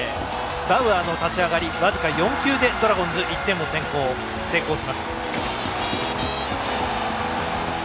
バウアーの立ち上がり僅か４球でドラゴンズ、１点を先行します。